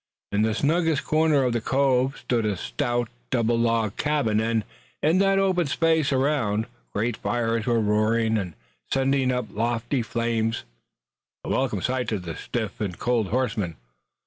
In the snuggest corner of the cove stood a stout double log cabin and, in the open space around, great fires were roaring and sending up lofty flames, a welcome sight to the stiff and cold horsemen.